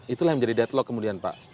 itulah yang menjadi deadlock kemudian pak